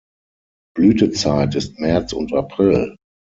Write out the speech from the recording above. Blütezeit ist März und April.